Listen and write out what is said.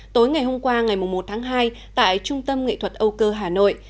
tối ngày hôm qua ngày một tháng hai tại trung tâm nghệ thuật âu cơ hà nội